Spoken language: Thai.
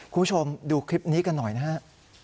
คุณผู้ชมดูคลิปนี้กันหน่อยนะฮะ